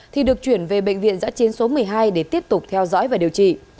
thì được chuyển về bệnh viện giã chiến số một mươi hai để tiếp tục theo dõi và điều trị